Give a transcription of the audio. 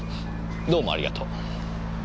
どうもありがとう。